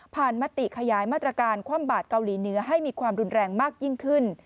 มติขยายมาตรการคว่ำบาดเกาหลีเหนือให้มีความรุนแรงมากยิ่งขึ้น